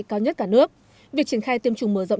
cao nhất cả nước việc triển khai tiêm chủng mở rộng